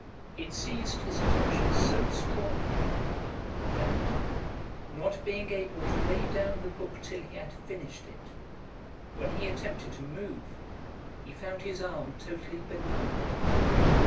It seized his attention so strongly, that, not being able to lay down the book till he had finished it, when he attempted to move, he found his arm totally benumbed.